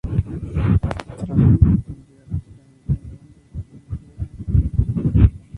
Tras Wimbledon, llega la gira americana donde Garbiñe juega a un grandísimo nivel.